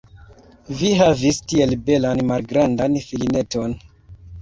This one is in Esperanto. Vi havis tiel belan malgrandan filineton!